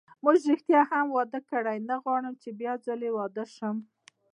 موږ ریښتیا هم واده کړی، نه غواړم چې بیا ځلي واده شم.